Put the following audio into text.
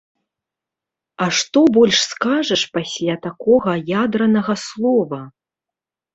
А што больш скажаш пасля такога ядранага слова!